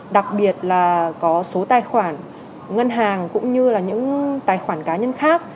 đặc biệt là có số tài khoản ngân hàng cũng như là những tài khoản cá nhân khác